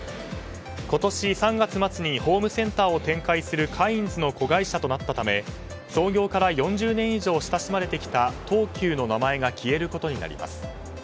今年３月末にホームセンターを展開するカインズの子会社となったため創業から４０年以上親しまれてきた東急の名前が消えることになります。